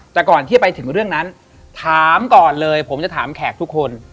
แต่ก่อนที่ไปถึงเรื่องนั้นถามก่อนเลยผมจะถามแขกทุกคน